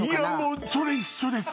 それ一緒です！